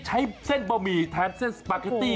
ใช้เส้นบะหมี่แทนเส้นสปาเกตตี้